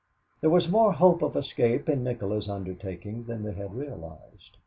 There was more hope of escape in Nikola's undertaking than they had realized.